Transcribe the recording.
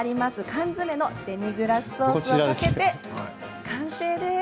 缶詰のデミグラスソースをかけて完成です。